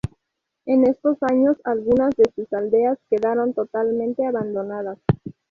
En estos años algunas de sus aldeas quedaron totalmente abandonadas.